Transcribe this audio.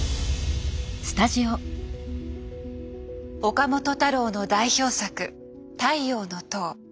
岡本太郎の代表作「太陽の塔」。